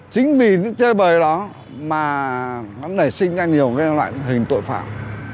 chính vì những chơi bời đó mà nó nảy sinh ra nhiều loại hình tội phạm